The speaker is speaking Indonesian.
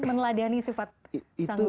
meneladani sifat sang guru